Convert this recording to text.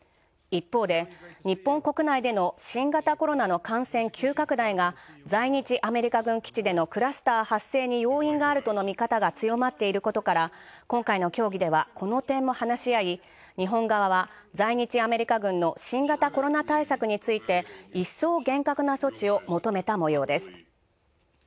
一方で日本国内での新型コロナの感染急拡大が在日アメリカ軍基地でのクラスター発生に要因があるとの見方が強まっていることから今回の協議ではこのことも話し合い新型コロナ対策についていっそう厳格な措置を求めたもようです。